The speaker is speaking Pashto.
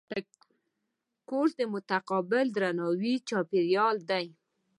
کورس د متقابل درناوي چاپېریال دی.